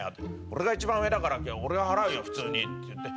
「俺が一番上だから俺が払うよ普通に」って言って。